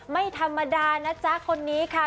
ไม่ธรรมดานะจ๊ะคนนี้ค่ะ